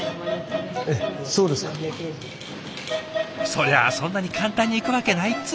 そりゃあそんなに簡単にいくわけないっつの。